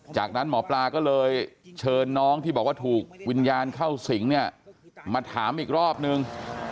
จากนั้นหมอปลาก็เลยเชิญน้องที่บอกว่าถูกวิญญาณเข้าสิงเนี่ยมาถามอีกรอบนึง